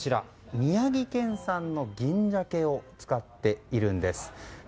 宮城県産の銀鮭を使っているんです。